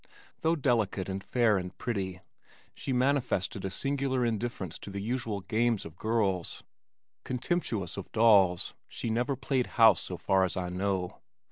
Though delicate and fair and pretty, she manifested a singular indifference to the usual games of girls. Contemptuous of dolls, she never played house so far as I know.